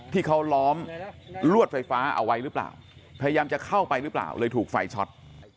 ที่เขาล้อมลวดไฟฟ้าเอาไว้หรือเปล่าพยายามจะเข้าไปหรือเปล่าเลยถูกไฟช็อต